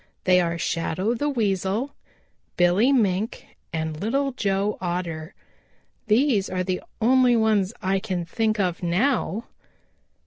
They are Shadow the Weasel, Billy Mink and Little Joe Otter. These are the only ones I can think of now."